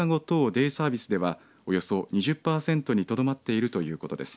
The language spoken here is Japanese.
デイサービスではおよそ２０パーセントにとどまっているということです。